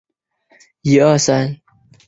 刺绣芋螺为芋螺科芋螺属下的一个种。